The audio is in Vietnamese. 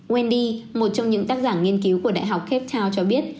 wendy một trong những tác giả nghiên cứu của đại học capt town cho biết